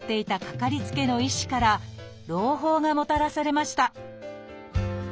かかりつけの医師から朗報がもたらされました。